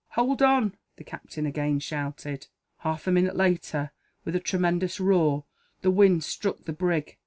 "Hold on!" the captain again shouted. Half a minute later, with a tremendous roar, the wind struck the brig.